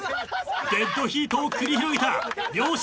デッドヒートを繰り広げた両者。